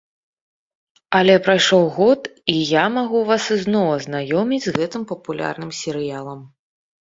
Але прайшоў год, і я магу вас ізноў азнаёміць з гэтым папулярным серыялам.